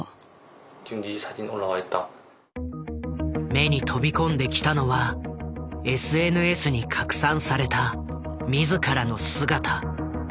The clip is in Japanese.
目に飛び込んできたのはＳＮＳに拡散された自らの姿。